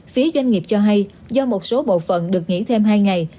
phía doanh nghiệp cho hay do một số bộ phận được nghỉ thêm hai ngày